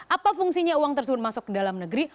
apa fungsinya uang tersebut masuk ke dalam negeri